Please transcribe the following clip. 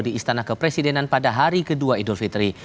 di istana kepresidenan pada hari kedua idul fitri